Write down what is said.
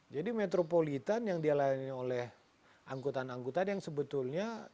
jadi metropolitan yang dialahin oleh angkutan angkutan yang sebetulnya